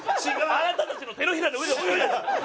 あなたたちの手のひらの上で泳いだで！